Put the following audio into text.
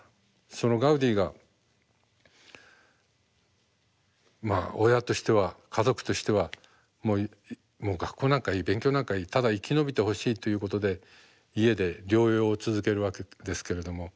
そのガウディがまあ親としては家族としてはもう学校なんかいい勉強なんかいいただ生き延びてほしいということで家で療養を続けるわけですけれども。